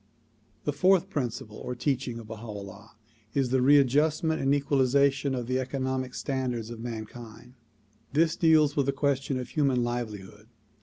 The fourth principle or teaching of Baha 'Ullah is the read justment and equalization of the economic standards of mankind. This deals with the question of human livelihood.